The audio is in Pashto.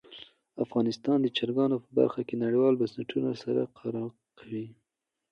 افغانستان د چرګانو په برخه کې نړیوالو بنسټونو سره کار کوي.